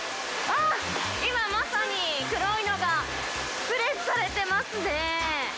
あー、今、まさに黒いのがプレスされてますね。